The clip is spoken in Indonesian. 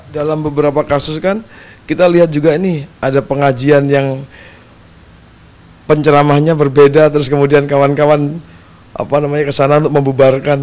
dalam beberapa kasus kan kita lihat juga ini ada pengajian yang penceramahnya berbeda terus kemudian kawan kawan kesana untuk membubarkan